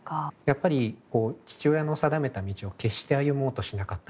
やっぱり父親の定めた道を決して歩もうとしなかった息子。